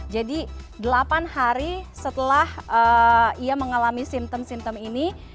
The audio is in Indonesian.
delapan hari setelah ia mengalami simptom simptom ini